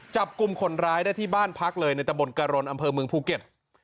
จับกลุ่มคนร้ายได้ที่บ้านพักเลยในตะบนกะรนอำเภอเมืองภูเก็ต